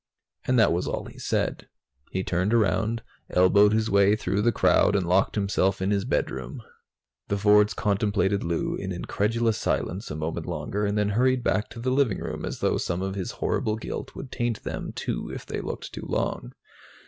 And that was all he said. He turned around, elbowed his way through the crowd and locked himself in his bedroom. The Fords contemplated Lou in incredulous silence a moment longer, and then hurried back to the living room, as though some of his horrible guilt would taint them, too, if they looked too long.